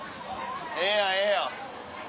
ええやんええやん。